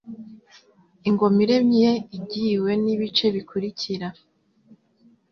Ingoma iremye igiwe n'ibice bikurikira